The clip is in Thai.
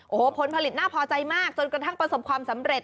โอ้โหผลผลิตน่าพอใจมากจนกระทั่งประสบความสำเร็จ